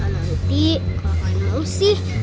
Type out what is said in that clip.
nanti kalau paling mau sih